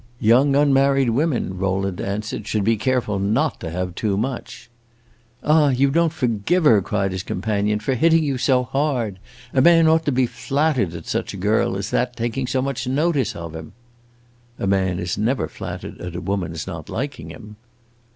"Young unmarried women," Rowland answered, "should be careful not to have too much!" "Ah, you don't forgive her," cried his companion, "for hitting you so hard! A man ought to be flattered at such a girl as that taking so much notice of him." "A man is never flattered at a woman's not liking him."